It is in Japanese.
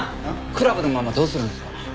クラブのママどうするんですか？